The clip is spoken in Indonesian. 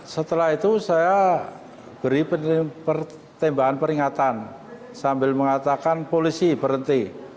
setelah itu saya beri pertembahan peringatan sambil mengatakan polisi berhenti